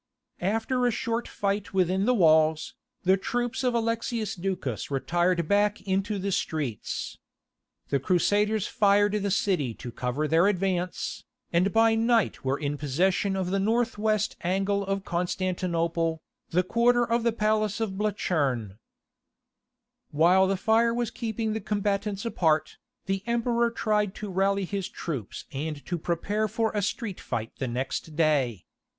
After a short fight within the walls, the troops of Alexius Ducas retired back into the streets. The Crusaders fired the city to cover their advance, and by night were in possession of the north west angle of Constantinople, the quarter of the palace of Blachern. Byzantine Reliquary. (From "L'Art Byzantin." Par C. Bayet. Paris, Quantin, 1883.) While the fire was keeping the combatants apart, the Emperor tried to rally his troops and to prepare for a street fight next day.